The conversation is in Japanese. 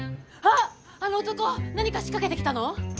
あの男何か仕掛けてきたの？